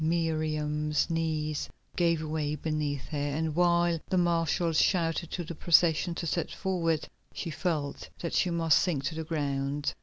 Miriam's knees gave way beneath her, and while the marshals shouted to the procession to set forward, she felt that she must sink to the ground.